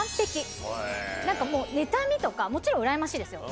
何かもう妬みとかもちろんうらやましいですよ。